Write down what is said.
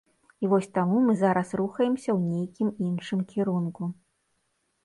І вось таму мы зараз рухаемся ў нейкім іншым кірунку.